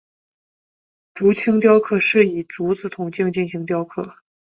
竹青雕刻是以竹子筒茎进行雕刻。